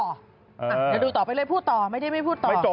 เดี๋ยวดูต่อไปเลยพูดต่อไม่ได้ไม่พูดต่อจบ